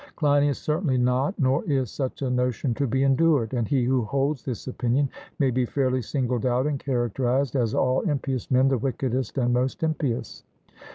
CLEINIAS: Certainly not; nor is such a notion to be endured, and he who holds this opinion may be fairly singled out and characterized as of all impious men the wickedest and most impious.